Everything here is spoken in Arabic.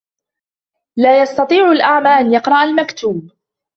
لَا يَسْتَطِيعُ الْأعْمى أَنْ يَقْرَأَ الْمَكْتُوبَ.